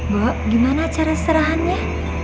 bu gimana cara seserahannya